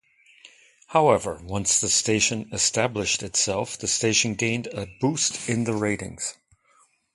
However, once the station established itself, the station gained a boost in the ratings.